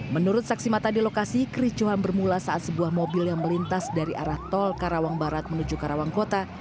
menurut saksi mata di lokasi kericuhan bermula saat sebuah mobil yang melintas dari arah tol karawang barat menuju karawang kota